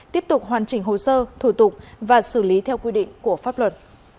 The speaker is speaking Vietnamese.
tiếp tục hoàn chỉnh hồ sơ thủ tục và xử lý theo quy định của pháp luật